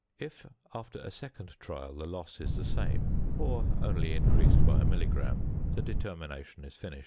If after a second trial the loss is the same, or only increased by a milligram, the determination is finished.